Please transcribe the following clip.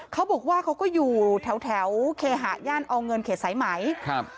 เขาบอกว่าเขาก็อยู่แถวแถวเคหะย่านอเงินเขตสายไหมครับ